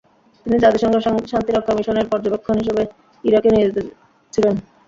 তিনি জাতিসংঘ শান্তি রক্ষা মিশনের পর্যবেক্ষক হিসেবে ইরাকে নিয়োজিত ছিলেন।